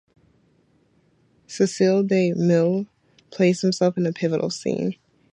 Cecil B. DeMille plays himself in a pivotal scene.